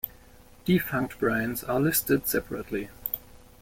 Defunct brands are listed separately.